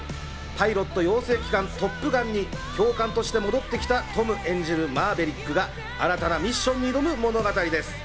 パイロット養成機関、トップガンに教官として戻ってきたトム演じるマーヴェリックが新たなミッションに挑む物語です。